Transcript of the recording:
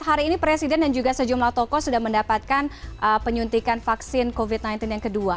hari ini presiden dan juga sejumlah tokoh sudah mendapatkan penyuntikan vaksin covid sembilan belas yang kedua